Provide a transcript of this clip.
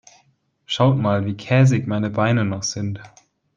Schaut mal, wie käsig meine Beine noch sind.